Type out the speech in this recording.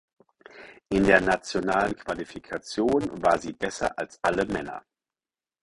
In der nationalen Qualifikation war sie besser als alle Männer.